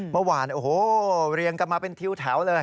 เมื่อวานโอ้โหเรียงกันมาเป็นทิวแถวเลย